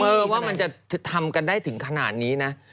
ว่ามันจะทำกันได้ถึงขนาดนี้นะ